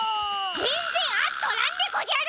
ぜんぜんあっとらんでごじゃる！